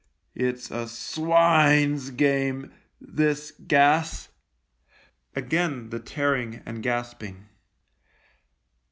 It's a swine's game, this gas " Again the tearing and gasping.